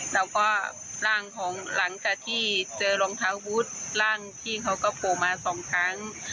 แล้วก็ร่างของหลังจากที่เจอรองเท้าวุฒิร่างพี่เขาก็โผล่มาสองครั้ง